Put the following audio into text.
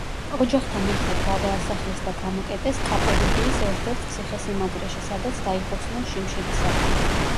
ოჯახთან ერთად გადაასახლეს და გამოკეტეს კაპადოკიის ერთ-ერთ ციხესიმაგრეში, სადაც დაიხოცნენ შიმშილისაგან.